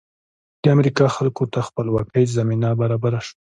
د امریکا خلکو ته خپلواکۍ زمینه برابره شوه.